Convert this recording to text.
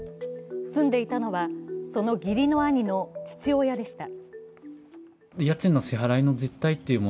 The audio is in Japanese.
住んでいたのは、その義理の兄の父親でした。